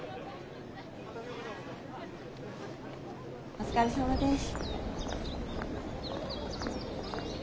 お疲れさまです。